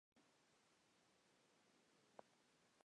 De hecho, a menudo se le nombra simplemente como El Aretino.